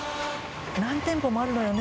何店舗もあるのよね